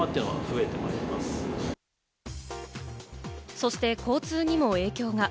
そして交通にも影響が。